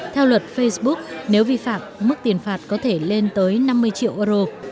theo luật facebook nếu vi phạm mức tiền phạt có thể lên tới năm mươi triệu euro